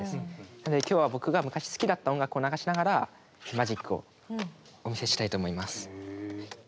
なので今日は僕が昔好きだった音楽を流しながらマジックをお見せしたいと思います。